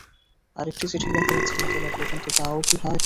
আরেকটি চিঠি লেখার ইচ্ছা হতে লাগল, কিন্তু তাও কি হয়?